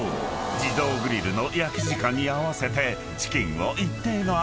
自動グリルの焼き時間に合わせて］